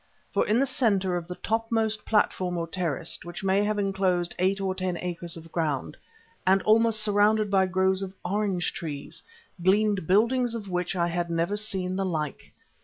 For in the centre of the topmost platform or terrace, which may have enclosed eight or ten acres of ground, and almost surrounded by groves of orange trees, gleamed buildings of which I had never seen the like.